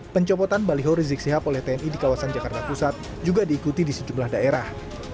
pencopotan baliho rizik sihab oleh tni di kawasan jakarta pusat juga diikuti di sejumlah daerah